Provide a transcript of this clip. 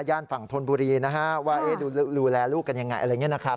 ฝั่งธนบุรีนะฮะว่าดูแลลูกกันยังไงอะไรอย่างนี้นะครับ